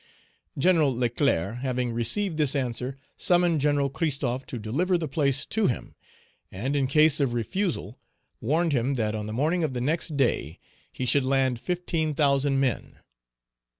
Gen. Leclerc having received this answer, summoned Gen. Christophe to deliver the place to him, and, in case of refusal, warned him that on the morning of the next day he should land fifteen thousand men.